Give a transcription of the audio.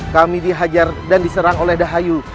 kami dihajar dan diserang oleh dahayu